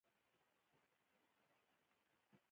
احمده! ځان دې بېخي ايغر ګڼلی دی؛ سم شه.